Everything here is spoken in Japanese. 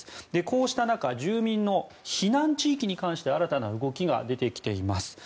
こうした中住民の避難地域に関して新たな動きが出てきています。